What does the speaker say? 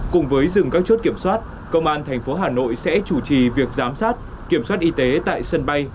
cùng với dừng các chốt kiểm soát công an thành phố hà nội sẽ chủ trì việc giám sát kiểm soát y tế tại sân bay